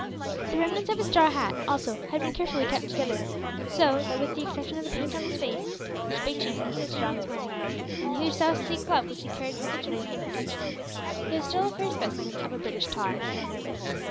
The remnants of his straw hat, also, had been carefully kept together, so that, with the exception of the paint on his face, which Big Chief insisted on his wearing, and the huge South Sea club which he carried habitually for protection, he was still a fair specimen of a British tar.